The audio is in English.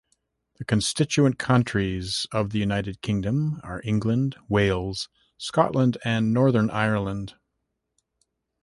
The constituent countries of the United Kingdom are England, Wales, Scotland and Northern Ireland.